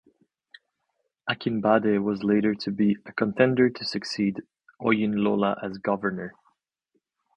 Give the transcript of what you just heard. Akinbade was later to be a contender to succeed Oyinlola as governor.